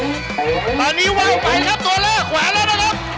ตอนนี้ไหว้ไปครับตัวเลขขวาแล้วนะครับ